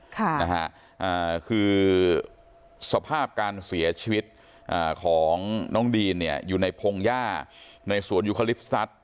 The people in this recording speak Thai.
ค่ะนะฮะอ่าคือสภาพการเสียชีวิตอ่าของน้องดีนเนี่ยอยู่ในพงหญ้าในสวนยุคลิปสตัส